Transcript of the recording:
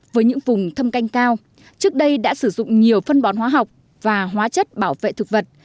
với những vùng thâm canh cao trước đây đã sử dụng nhiều phân bón hóa học và hóa chất bảo vệ thực vật